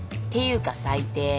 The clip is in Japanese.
っていうか最低。